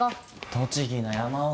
栃木の山奥。